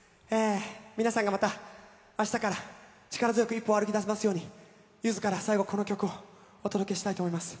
皆さんがまた、明日から力強く一歩を歩き出せますようにゆずから最後この曲をお届けしたいと思います。